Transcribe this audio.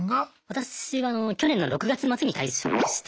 私は去年の６月末に退職して。